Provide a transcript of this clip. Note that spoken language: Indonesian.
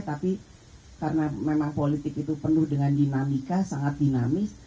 tapi karena memang politik itu penuh dengan dinamika sangat dinamis